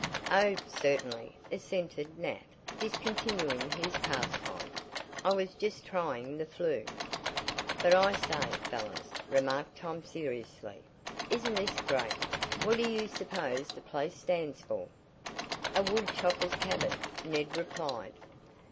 "Oh, certainly," assented Nat, discontinuing his pastime. "I was just trying the flue." "But I say, fellows," remarked Tom seriously, "isn't this great? What do you suppose the place stands for?" "A woodchopper's cabin," Ned replied.